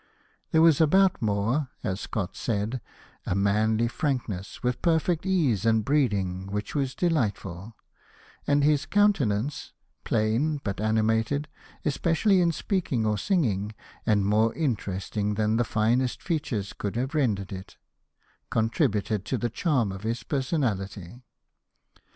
There was about Moore, as Scott said, " a manly frankness with perfect ease and breeding which was delightful," and his countenance, ^' plain but animated, especially in speaking or singing, and more interest ing than the finest features could have rendered it," contributed to the charm of his personality.